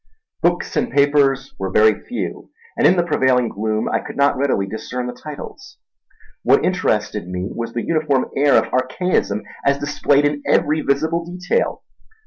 Books and papers were very few, and in the prevailing gloom I could not readily discern the titles. What interested me was the uniform air of archaism as displayed in every visible detail.